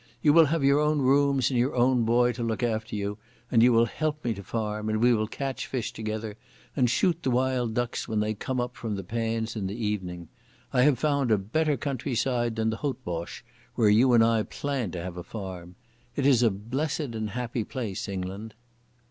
"You will have your own rooms and your own boy to look after you, and you will help me to farm, and we will catch fish together, and shoot the wild ducks when they come up from the pans in the evening. I have found a better countryside than the Houtbosch, where you and I planned to have a farm. It is a blessed and happy place, England."